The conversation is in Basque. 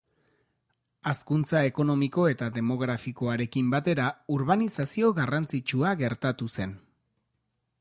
Hazkuntza ekonomiko eta demografikoarekin batera urbanizazio garrantzitsua gertatu zen.